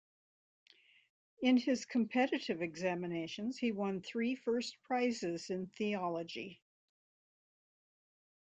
In his competitive examinations, he won three first prizes in theology.